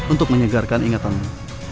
untuk menyegarkan ingatamu